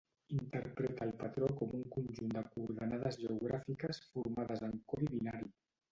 Interpreta el patró com un conjunt de coordenades geogràfiques formades en codi binari.